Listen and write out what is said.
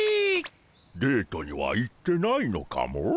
デートには行ってないのかモ。